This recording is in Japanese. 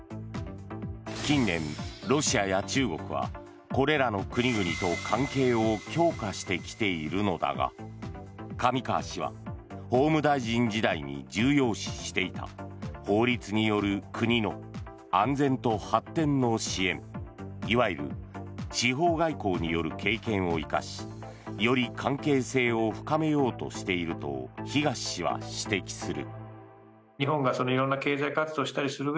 近年、ロシアや中国はこれらの国々と関係を強化してきているのだが上川氏は法務大臣時代に重要視していた法律による国の安全と発展の支援いわゆる司法外交による経験を生かしより関係性を深めようとしていると東氏は指摘する。